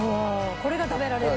これが食べられるんだ。